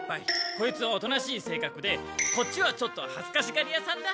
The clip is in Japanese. こいつはおとなしい性格でこっちはちょっとはずかしがりやさんだ。